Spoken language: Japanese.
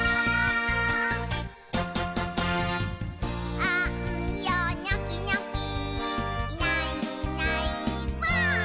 「あんよニョキニョキいないいないばぁ！」